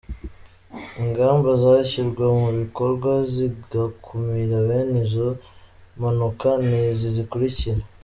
Ingamba zashyirwa mu bikorwa zigakumira bene izi mpanuka ni izi zikurikira:.